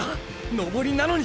登りなのに！！